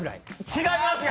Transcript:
違います